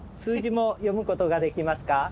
数字も読むことができますか？